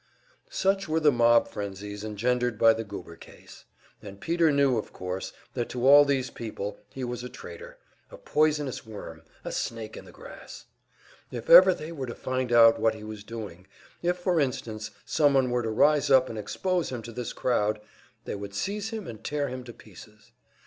Such were the mob frenzies engendered by the Goober case; and Peter knew, of course, that to all these people he was a traitor, a poisonous worm, a snake in the grass. If ever they were to find out what he was doing if for instance, someone were to rise up and expose him to this crowd they would seize him and tear him to pieces.